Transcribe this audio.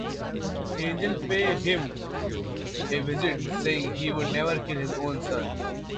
Angel pays him a visit, saying he would never kill his own son.